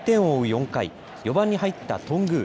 ４回４番に入った頓宮。